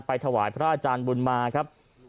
ถวายพระอาจารย์บุญมาครับ